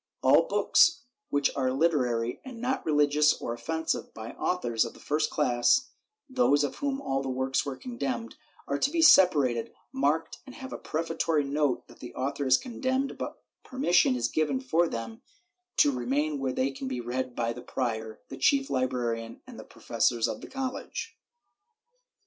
All books which are literary and not rehgious or offensive, by authors of the first class (those of whom all the works were condemned), are to be separated, marked and have a prefatory note that the author is condemned, but permission is given for them to remain where they can be read by the prior, the chief librarian and the professors of the college.